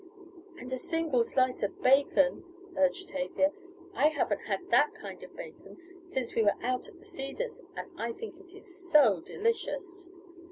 "And a single slice of bacon," urged Tavia. "I haven't had that kind of bacon since we were out at the Cedars, and I think it is so delicious."